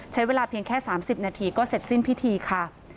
ใช้เวลาเพียงแค่๓๐นาทีก็เสร็จสิ้นพิธีค่ะ